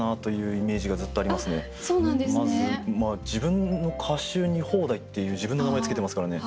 まず自分の歌集に「方代」っていう自分の名前付けてますからね。